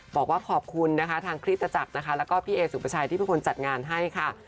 บอกว่าขอบคุณทางคริสตราจักรแล้วก็พี่เอสุประชายที่เพื่อนคุณจัดงานให้ค่ะ